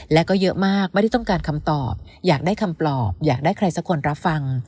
และก็เยอะมากไม่ได้ต้องการคำตอบอยากได้คำปลอบอยากได้ใครสักคนรับฟัง